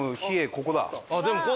ここだ。